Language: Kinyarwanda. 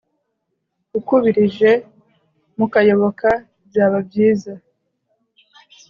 ukubirije mukayoboka byaba byiza